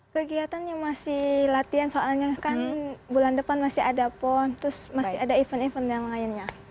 kegiatannya masih latihan soalnya kan bulan depan masih ada pon terus masih ada event event yang lainnya